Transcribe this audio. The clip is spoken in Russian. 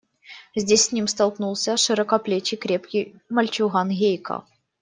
Здесь с ними столкнулся широкоплечий, крепкий мальчуган Гейка.